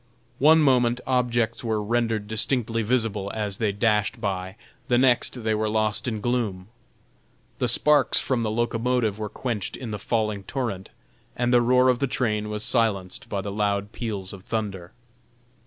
One moment, objects were rendered distinctly visible as they dashed by, the next they were lost in gloom. The sparks from the locomotive were quenched in the falling torrent and the roar of the train was silenced by the loud peals of thunder.